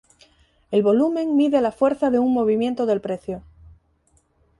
El volumen mide la fuerza de un movimiento del precio.